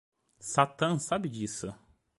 Satã sabe disso.